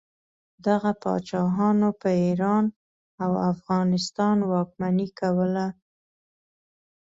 دغه پاچاهانو په ایران او افغانستان واکمني کوله.